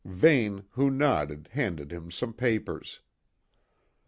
Vane, who nodded, handed him some papers.